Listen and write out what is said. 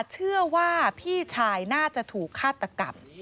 เชื่อว่าพี่ชายน่าจะถูกฆาตกรรม